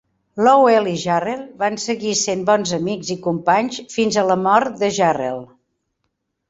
Lowell i Jarrell van seguir sent bons amics i companys fins a la mort de Jarrell.